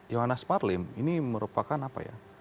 johannes marlim ini merupakan apa ya